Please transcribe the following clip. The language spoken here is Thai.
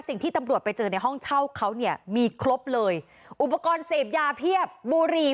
สิ่งที่ตำรวจไปเจอในห้องเช่าเขาเนี่ยมีครบเลยอุปกรณ์เสพยาเพียบบุรี